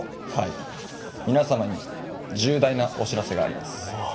皆様に重大なお知らせがあります。